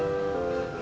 ida tembak mandi pak